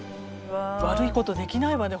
悪いことできないわね